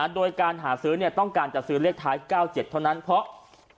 โดยการหาซื้อต้องการจะซื้อเลขท้าย๙๗เท่านั้นเพราะ